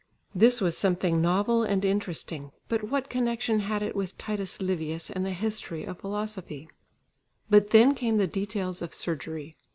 This was something novel and interesting, but what connection had it with Titus Livius and the history of philosophy? But then came the details of surgery.